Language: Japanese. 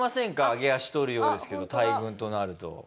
揚げ足取るようですけど大群となると。